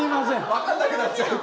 分かんなくなっちゃうから。